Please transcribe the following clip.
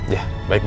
ya baik bu